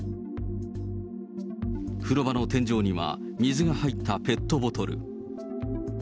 風呂場の天井には、水が入ったペットボトル。